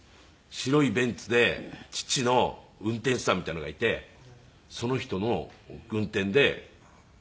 白いベンツで父の運転手さんみたいなのがいてその人の運転で行くんですよ。